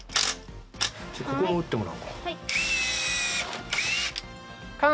ここも打ってもらうか。